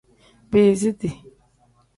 Biiziti.